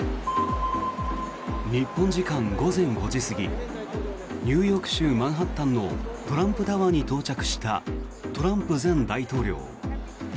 日本時間午前５時過ぎニューヨーク州マンハッタンのトランプタワーに到着したトランプ前大統領。